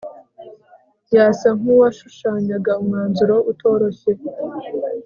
Yasa nkuwashushanyaga umwanzuro utoroshye